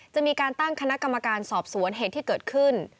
จะมีการตั้งคณะกรรมการสอบสวนเหตุที่เกิดขึ้น